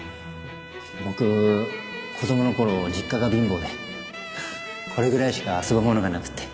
僕子供の頃実家が貧乏でこれぐらいしか遊ぶものがなくって。